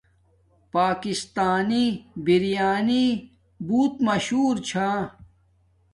پاکستانی بریانی بوت مشہور چھا